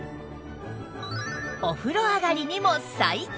お風呂上がりにも最適